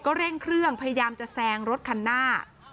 เร่งเครื่องพยายามจะแซงรถคันหน้า